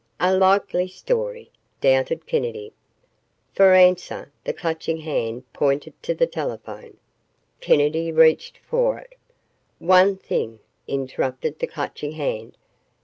"A likely story!" doubted Kennedy. For answer, the Clutching Hand pointed to the telephone. Kennedy reached for it. "One thing," interrupted the Clutching Hand.